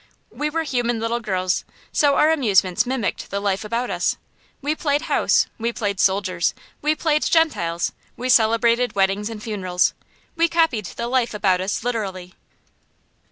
We were human little girls, so our amusements mimicked the life about us. We played house, we played soldiers, we played Gentiles, we celebrated weddings and funerals. We copied the life about us literally.